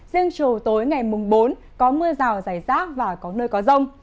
riêng chiều tối ngày mùng bốn có mưa rào rải rác và có nơi có rông